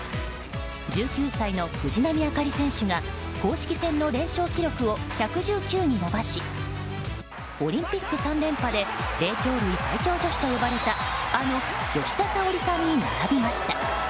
１９歳の藤波朱理選手が公式戦の連勝記録を１１９に伸ばしオリンピック３連覇で霊長類最強女子と呼ばれたあの吉田沙保里さんに並びました。